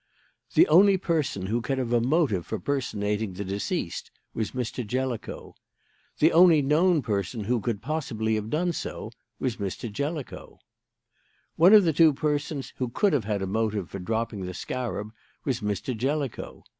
"The only person who could have a motive for personating the deceased was Mr. Jellicoe. "The only known person who could possibly have done so was Mr. Jellicoe. "One of the two persons who could have had a motive for dropping the scarab was Mr. Jellicoe.